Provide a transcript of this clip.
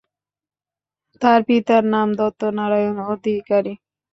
তার পিতার নাম দত্ত নারায়ণ অধিকারী।